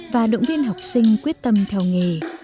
và động viên học sinh quyết tâm theo nghề